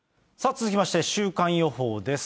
続きまして、週間予報です。